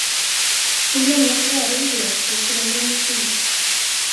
Hon glömde att röra i gröten, så den brändes vid.